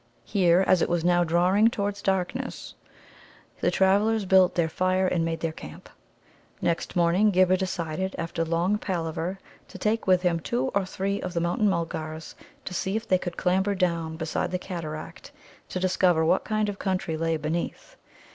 Here, as it was now drawing towards darkness, the travellers built their fire and made their camp. Next morning Ghibba decided, after long palaver, to take with him two or three of the Mountain mulgars to see if they could clamber down beside the cataract, to discover what kind of country lay beneath.